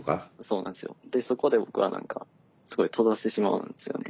でそこで僕は何かすごい閉ざしてしまうんですよね。